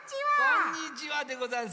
こんにちはでござんす。